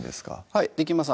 はいできます